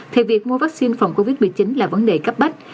thì việc mua vaccine phòng covid một mươi chín là vấn đề cấp bách